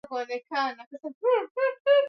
ya Indo Uropa ambao waliunda ufalme wa Wahiti